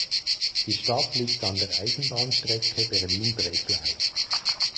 Die Stadt liegt an der Eisenbahnstrecke Berlin–Breslau.